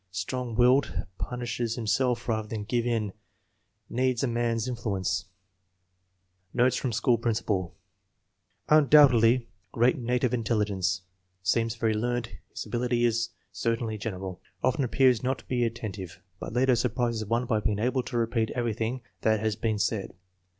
Strong willed. Punishes himself rather than give in. Needs a man's influence." Notes from school principal. Undoubtedly great 286 INTELLIGENCE OF SCHOOL CHILDBEN native intelligence. Seems very learned. His ability is certainly general. Often appears not to be atten tive, but later surprises one by being able to repeat eveiything that has been said.